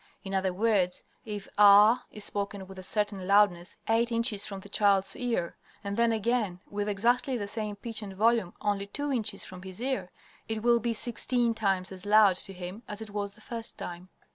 In other words, if "ah" is spoken with a certain loudness eight inches from the child's ear, and then again with exactly the same pitch and volume only two inches from his ear, it will be sixteen times as loud to him as it was the first time.